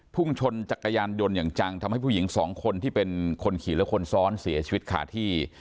พุ่งชนจักรยานยนต์อย่างจังทำให้ผู้หญิงสองคนที่เป็นคนขี่และคนซ้อนเสียชีวิตขาดที่